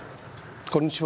こんにちは。